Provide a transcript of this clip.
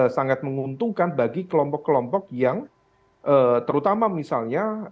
sangat menguntungkan bagi kelompok kelompok yang terutama misalnya